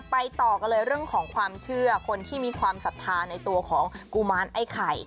ต่อกันเลยเรื่องของความเชื่อคนที่มีความศรัทธาในตัวของกุมารไอ้ไข่